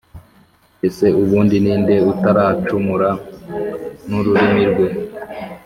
ese ubundi ni nde utaracumura n’ururimi rwe?